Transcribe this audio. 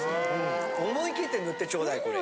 思いきって塗ってちょうだいこれ。